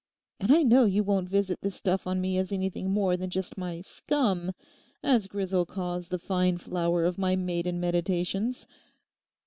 And I know you won't visit this stuff on me as anything more than just my "scum," as Grisel calls the fine flower of my maiden meditations.